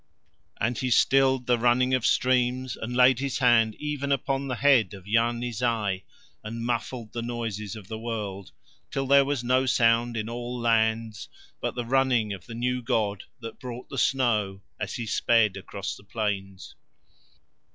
And he stilled the running of streams and laid his hand even upon the head of Yarni Zai and muffled the noises of the world, till there was no sound in all lands, but the running of the new god that brought the snow as he sped across the plains.